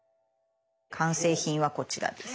完成品はこちらです！